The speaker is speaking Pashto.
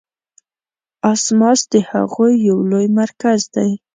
اسماس د هغوی یو لوی مرکز دی.